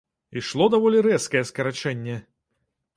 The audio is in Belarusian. Ішло даволі рэзкае скарачэнне!